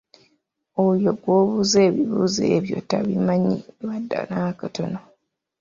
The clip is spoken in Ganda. Oyo gw’obuuza ebibuuzo ebyo tabimanyi wadde n'akatono.